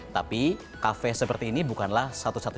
tapi kafe seperti ini bukanlah satu hal yang bisa anda lakukan